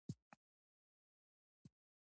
سیلاني ځایونه د خلکو د ژوند په کیفیت تاثیر کوي.